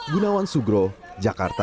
gunawan sugro jakarta